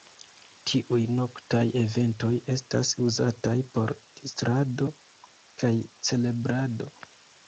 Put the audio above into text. Tiuj noktaj eventoj estas uzataj por distrado kaj celebrado.